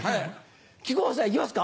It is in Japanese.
木久扇さん行きますか？